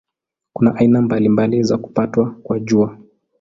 Kuna aina mbalimbali za kupatwa kwa Jua.